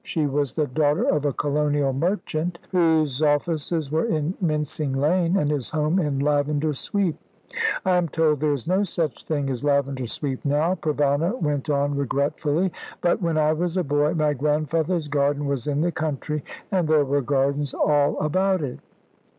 She was the daughter of a colonial merchant, whose offices were in Mincing Lane, and his home in Lavender Sweep. I am told there is no such thing as Lavender Sweep now," Provana went on regretfully, "but when I was a boy, my grandfather's garden was in the country, and there were gardens all about it."